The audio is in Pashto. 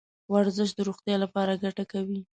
ورزش د روغتیا لپاره ګټه کوي .